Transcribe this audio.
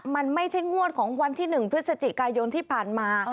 มันไม่ใช่งวดของวันที่๑พฤศจิกายนที่ผ่านมา